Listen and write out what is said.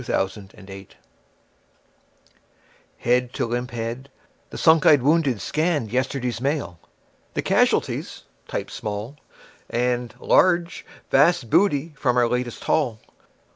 Smile, Smile, Smile Head to limp head, the sunk eyed wounded scanned Yesterday's Mail; the casualties (typed small) And (large) Vast Booty from our Latest Haul.